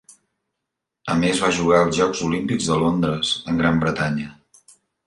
A més va jugar els Jocs Olímpics de Londres amb Gran Bretanya.